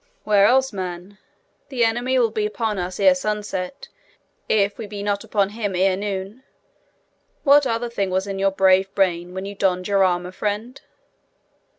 'Where else, man? The enemy will be upon us ere sunset, if we be not upon him ere noon. What other thing was in your brave brain when you donned your armour, friend?'